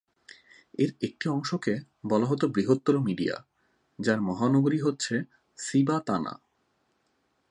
এর একটি অংশকে বলা হত বৃহত্তর মিডিয়া, যার মহানগরী হচ্ছে সিবাতানা।